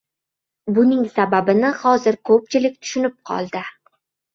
Buning sababini hozir ko‘pchilik tushunib qoldi.